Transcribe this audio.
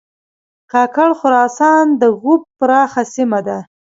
کاکړ خراسان د ږوب پراخه سیمه ده